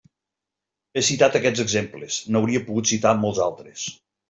He citat aquests exemples; n'hauria pogut citar molts altres.